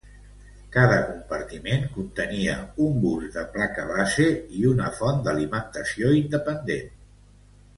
Cada compartiment contenia un bus de placa base i una font d'alimentació independent.